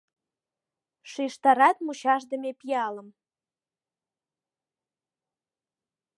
Шижтарат мучашдыме пиалым.